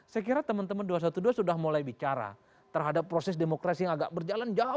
saya kira teman teman dua ratus dua belas sudah mulai bicara terhadap proses demokrasi yang agak berjalan jauh